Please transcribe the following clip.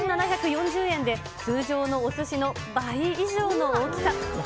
３７４０円で通常のおすしの倍以上の大きさ。